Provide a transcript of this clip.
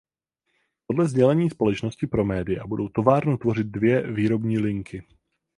Podle sdělení společnosti pro média budou továrnu tvořit dvě výrobní linky.